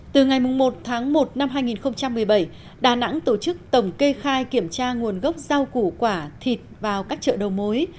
từ ngày một tháng một năm hai nghìn một mươi bảy đà nẵng tổ chức tổng kê khai kiểm tra nguồn gốc rau củ quả thịt vào các chợ đầu mối